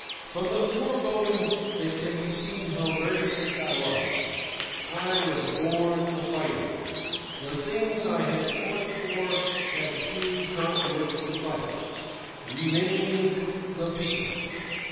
From the foregoing it can be seen how very sick I was. I was born a fighter. The things I had fought for had proved not worth the fight. Remained the PEOPLE.